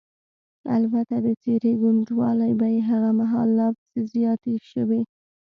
البته د څېرې ګونجوالې به یې هغه مهال لا پسې زیاتې شوې.